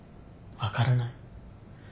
分からない。